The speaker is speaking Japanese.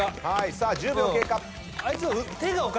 さあ１０秒経過。